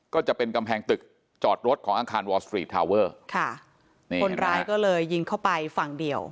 ก็จะเป็นกำแพงตึกจอดรถของอังคารค่ะคนร้ายก็เลยยิงเข้าไปฝั่งเดี่ยว